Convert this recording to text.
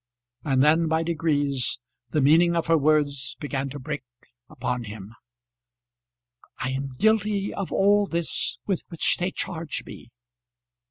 And then by degrees the meaning of her words began to break upon him. "I am guilty of all this with which they charge me."